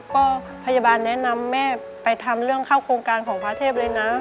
ก็พยาบาลแนะนำแม่ไปทำเรื่องเข้าโครงการของพระเทพเลยนะ